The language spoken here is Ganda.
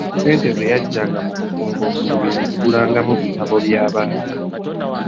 Ssente ze yaggyanga mu kfumba omwenge yazigulangamu bitabo bya baana.